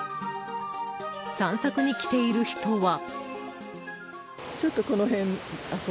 散策に来ている人は。